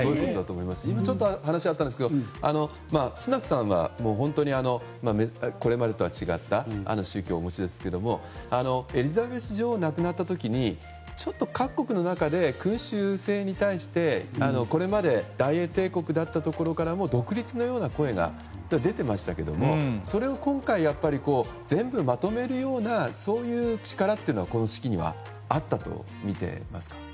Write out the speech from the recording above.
今、話があったんですけどスナクさんはこれまでとは違った宗教をお持ちですがエリザベス女王が亡くなった時に各国の中で君主制に対して、これまで大英帝国だったところからも独立のような声が出ていましたけどもそれを今回、全部まとめるような力というのはこの式にはあったとみていますか？